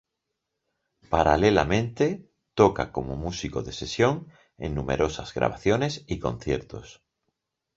Paralelamente, toca como músico de sesión en numerosas grabaciones y conciertos.